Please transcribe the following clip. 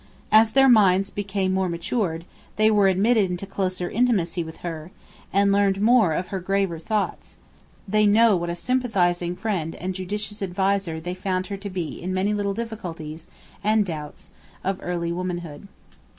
As their minds became more matured, they were admitted into closer intimacy with her, and learned more of her graver thoughts; they know what a sympathising friend and judicious adviser they found her to be in many little difficulties and doubts of early womanhood.